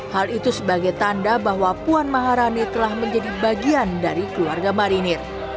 hal itu sebagai tanda bahwa puan maharani telah menjadi bagian dari keluarga marinir